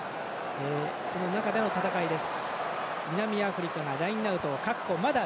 その中での戦いです。